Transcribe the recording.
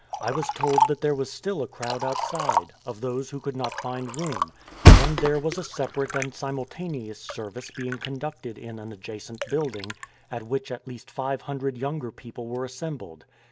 I was told that there was still a crowd outside — of those who could not find room : and there was a separate and simultaneous service being conducted in an adjacent building, at which at least five hundred younger people were assembled.